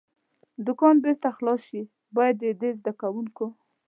دوکان بېرته خلاص شي، باید د دې زده کوونکو.